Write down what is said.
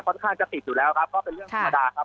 ค่อนข้างจะติดอยู่แล้วครับก็เป็นเรื่องธรรมดาครับ